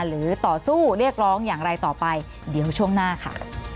หรือต่อสู้เรียกร้องอย่างไรต่อไปเดี๋ยวช่วงหน้าค่ะ